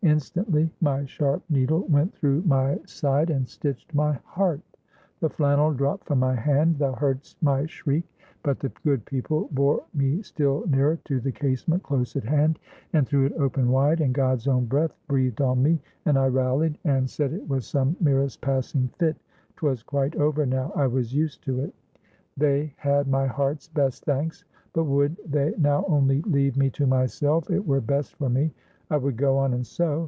Instantly, my sharp needle went through my side and stitched my heart; the flannel dropt from my hand; thou heard'st my shriek. But the good people bore me still nearer to the casement close at hand, and threw it open wide; and God's own breath breathed on me; and I rallied; and said it was some merest passing fit 'twas quite over now I was used to it they had my heart's best thanks but would they now only leave me to myself, it were best for me; I would go on and sew.